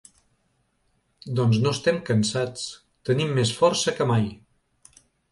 Doncs no estem cansats; tenim més força que mai.